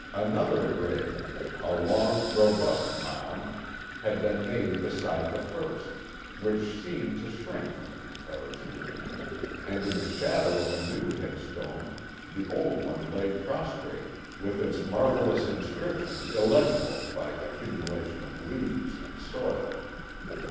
Another grave—a long, robust mound—had been made beside the first, which seemed to shrink from the comparison; and in the shadow of a new headstone the old one lay prostrate, with its marvelous inscription illegible by accumulation of leaves and soil.